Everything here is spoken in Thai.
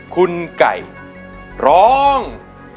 คุณไก่ร้อง